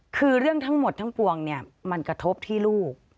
คือเรื่องทั้งหมดทั้งปวงเนี่ยมันกระทบที่ลูก